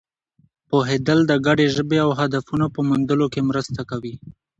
پوهېدل د ګډې ژبې او هدفونو په موندلو کې مرسته کوي.